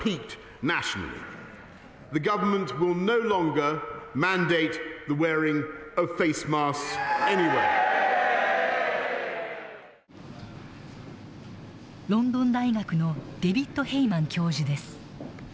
ロンドン大学のデビッド・ヘイマン教授です。